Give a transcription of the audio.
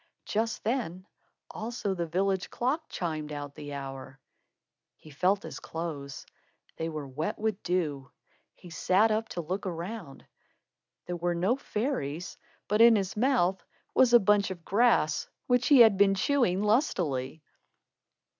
Just then also the village clock chimed out the hour. He felt his clothes. They were wet with dew. He sat up to look around. There were no fairies, but in his mouth was a bunch of grass which he had been chewing lustily.